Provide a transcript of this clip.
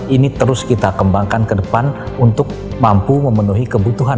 ini terus kita kembangkan ke depan untuk mampu memenuhi kebutuhan